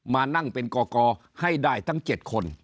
มานั่งเป็นกกให้ได้ทั้ง๗คน